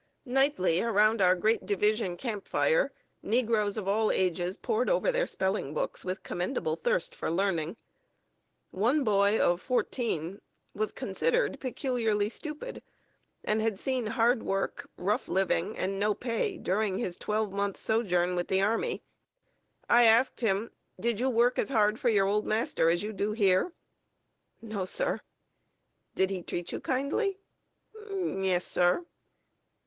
Nightly, around our great division camp fire, negroes of all ages pored over their spelling books with commendable thirst for learning. [Sidenote: I'D RATHER BE FREE.] One boy, of fourteen, was considered peculiarly stupid, and had seen hard work, rough living, and no pay, during his twelve months' sojourn with the army. I asked him: "Did you work as hard for your old master as you do here?" "No, sir." "Did he treat you kindly?" "Yes, sir."